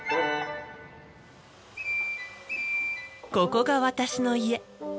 ここが私の家。